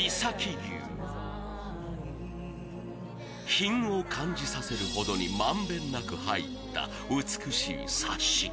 品を感じさせるほどに満遍なく入った美しいサシ。